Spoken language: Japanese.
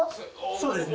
そうですね。